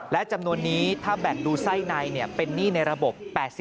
และจำนวนนี้ถ้าแบ่งดูไส้ในเป็นหนี้ในระบบ๘๐